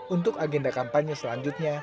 untuk agenda kampanye selanjutnya